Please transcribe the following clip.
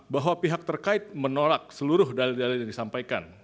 bahwa pihak terkait menolak seluruh dalil dalil yang disampaikan